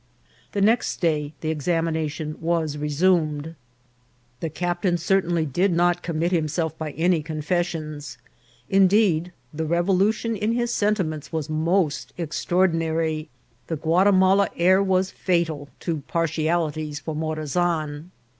The next day the examination was resumed. The VOL. II.— R 130 INCIDENTS OF TRAVEL. captain certainly did not commit himself by any con fessions ; indeed, the revolution in his sentiments was mos", extraordinary. The Guatimala air was fatal to partialities for Morazan.